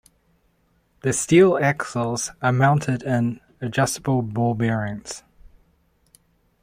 The steel axles are mounted in adjustable ball bearings.